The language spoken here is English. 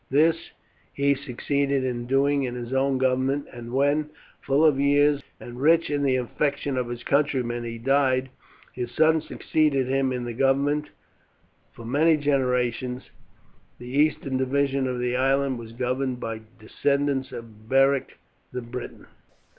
This he succeeded in doing in his own government, and when, full of years and rich in the affection of his countrymen, he died, his son succeeded him in the government, and for many generations the eastern division of the island was governed by descendants of Beric the Briton.